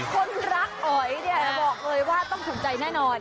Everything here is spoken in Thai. คนรักอ๋อยเนี่ยบอกเลยว่าต้องถูกใจแน่นอน